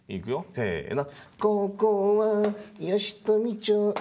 せの。